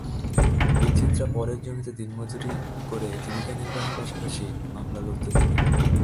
বিচিত্রা পরের জমিতে দিনমজুরি করে জীবিকা নির্বাহের পাশাপাশি মামলা লড়তে থাকেন।